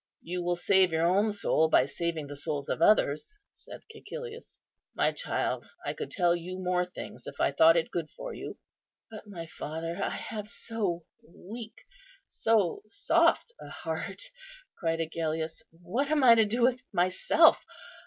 "You will save your own soul by saving the souls of others," said Cæcilius; "my child, I could tell you more things if I thought it good for you." "But, my father, I have so weak, so soft a heart," cried Agellius; "what am I to do with myself?